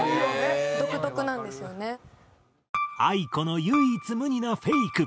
ａｉｋｏの唯一無二のフェイク。